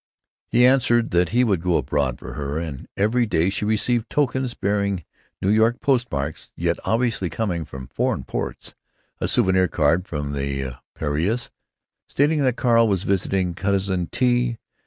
He answered that he would go abroad for her; and every day she received tokens bearing New York post marks, yet obviously coming from foreign parts: a souvenir card from the Piræus, stating that Carl was "visiting cousin T.